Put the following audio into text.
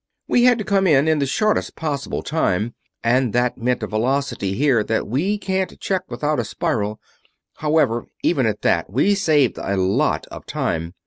"We had to come in in the shortest possible time, and that meant a velocity here that we can't check without a spiral. However, even at that we saved a lot of time.